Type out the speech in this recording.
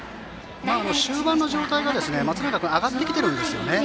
終盤の状態が松永君上がってきているんですね。